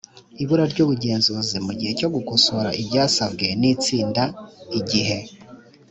ibura ry ubugenzuzi mu gihe cyo gukosora ibyasabwe n itsinda igihe